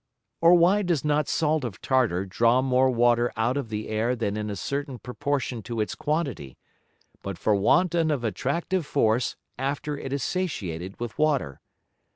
Or why does not Salt of Tartar draw more Water out of the Air than in a certain Proportion to its quantity, but for want of an attractive Force after it is satiated with Water?